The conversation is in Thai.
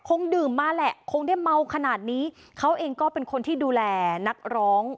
คงดื่มมาแหละคงได้เมาขนาดนี้เขาเองก็เป็นคนที่ดูแลนักร้อง